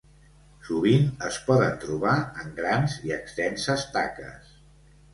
Sovint es poden trobar en grans i extenses taques.